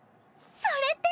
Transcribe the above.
それって！